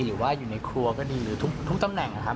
หรือว่าอยู่ในครัวก็ดีหรือทุกตำแหน่งนะครับ